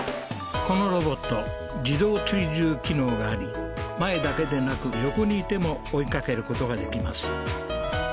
このロボット自動追従機能があり前だけでなく横にいても追いかけることができます